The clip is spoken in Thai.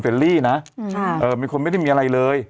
เป็นคนเวรตรีนะ